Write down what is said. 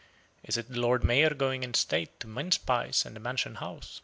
Is it the Lord Mayor going in state to mince pies and the Mansion House?